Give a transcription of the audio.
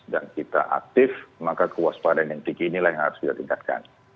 dan kita aktif maka kewaspadaan yang tinggi inilah yang harus kita tingkatkan